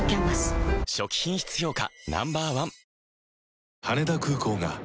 初期品質評価